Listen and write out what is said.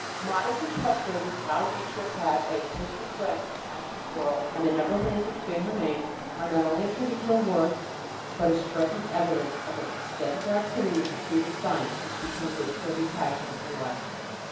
Modest and trustworthy, Frau Dietrich had a host of friends in the scientific world, and the number of plants which bear her name are not only a tribute to her worth, but a striking evidence of the extent of her activity in the pursuit of the science which became the absorbing passion of her life.